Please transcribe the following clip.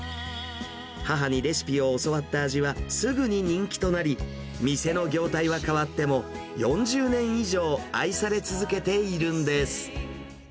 母にレシピを教わった味は、すぐに人気となり、店の業態は変わっても、４０年以上愛され続けているんです。